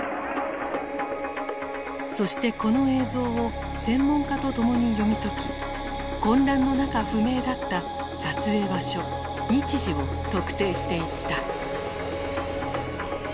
そしてこの映像を専門家と共に読み解き混乱の中不明だった撮影場所日時を特定していった。